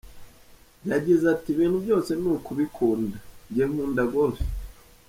Yagize ati “Ibintu byose ni ukubikunda, njye nkunda Golf.